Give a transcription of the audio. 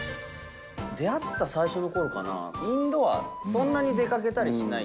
出会った最初のころかな、インドア、そんなに出かけたりしない。